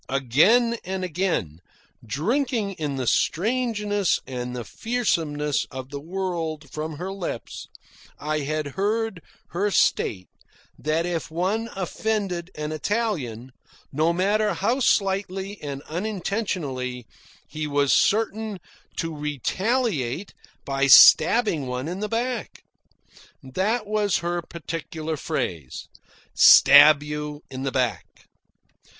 Again and again, drinking in the strangeness and the fearsomeness of the world from her lips, I had heard her state that if one offended an Italian, no matter how slightly and unintentionally, he was certain to retaliate by stabbing one in the back. That was her particular phrase "stab you in the back."